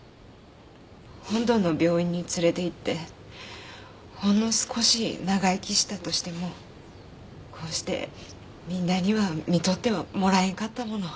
本土の病院に連れていってほんの少し長生きしたとしてもこうしてみんなにはみとってはもらえんかったもの。